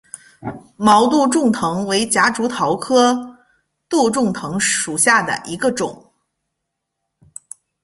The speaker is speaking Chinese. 毛杜仲藤为夹竹桃科杜仲藤属下的一个种。